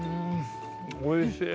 おいしい。